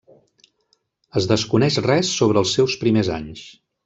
Es desconeix res sobre els seus primers anys.